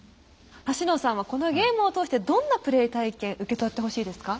橋野さんはこのゲームを通してどんなプレイ体験受け取ってほしいですか？